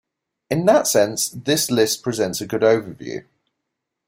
In that sense this list presents a good overview.